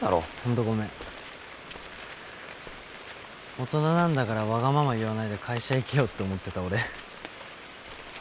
大人なんだからわがまま言わないで会社行けよって思ってた俺。